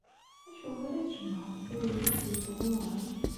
Acuɣer i tjemɛeḍ tawlaft-is ɣur-k?